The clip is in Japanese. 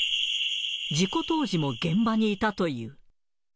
事故当時も現場にいたという。